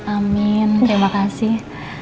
amin terima kasih